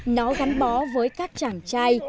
nó gắn bó với các chàng trai